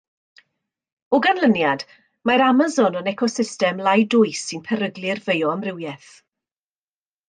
O ganlyniad, mae'r Amason yn ecosystem lai dwys sy'n peryglu'r fioamrywiaeth.